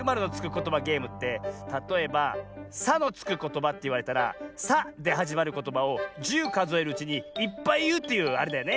ことばゲームってたとえば「さ」のつくことばっていわれたら「さ」ではじまることばを１０かぞえるうちにいっぱいいうというあれだよね？